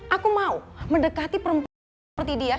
aku mau mendekati perempuan seperti dia